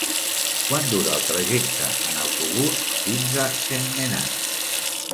Quant dura el trajecte en autobús fins a Sentmenat?